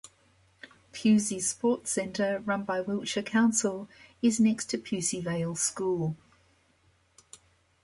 Pewsey Sports Centre, run by Wiltshire Council, is next to Pewsey Vale School.